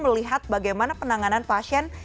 melihat bagaimana penanganan pasien